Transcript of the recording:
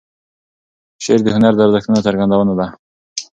شعر د هنري ارزښتونو څرګندونه ده.